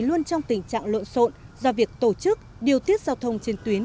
luôn trong tình trạng lộn xộn do việc tổ chức điều tiết giao thông trên tuyến